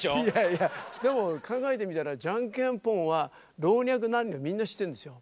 いやいやでも考えてみたらジャンケンポンは老若男女みんな知ってるんですよ。